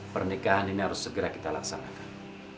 pernikahan ini harus segera kita laksanakan